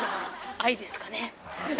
愛ですかね。